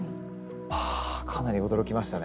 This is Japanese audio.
はぁかなり驚きましたね。